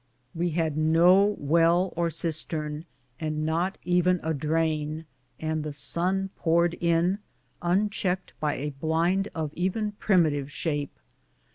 We had no well or cistern, and not even a drain, while tlie sun poured in, unchecked by a blind of even primi tive sliape.